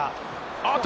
あっと！